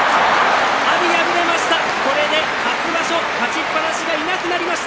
阿炎、敗れました。